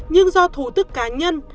nhưng do thù tức cá nhân